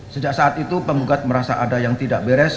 sejak saat itu penggugat merasa ada yang tidak beres